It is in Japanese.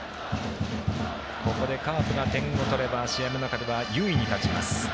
ここで、カープが点を取れば試合の流れは優位に立ちます。